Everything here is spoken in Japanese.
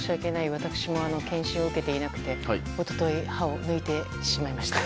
私も検診を受けていなくて一昨日、歯を抜いてしまいました。